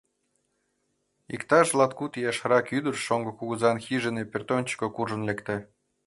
Иктаж латкуд ияшрак ӱдыр шоҥго кугызан хижине пӧртӧнчыкӧ куржын лекте.